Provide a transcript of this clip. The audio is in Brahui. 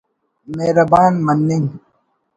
مہربان مننگ